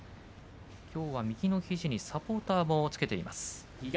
きょうは、右の肘にサポーターをつけています。